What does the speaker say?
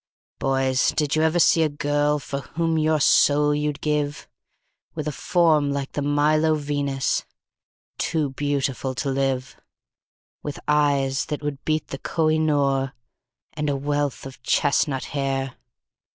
"Boys, did you ever see a girl for whom your soul you'd give, With a form like the Milo Venus, too beautiful to live; With eyes that would beat the Koh i noor, and a wealth of chestnut hair?